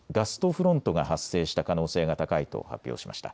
フロントが発生した可能性が高いと発表しました。